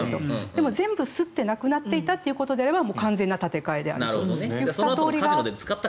でも全部すってなくなっていたということであれば完全な立て替えという２通りが。